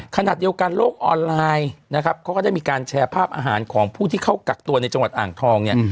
ขณะเดียวกันโลกออนไลน์นะครับเขาก็ได้มีการแชร์ภาพอาหารของผู้ที่เข้ากักตัวในจังหวัดอ่างทองเนี่ย